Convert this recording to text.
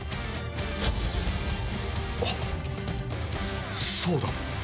あっそうだ！